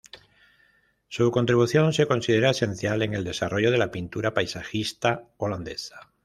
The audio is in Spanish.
Su contribución se considera esencial en el desarrollo de la pintura paisajista holandesa.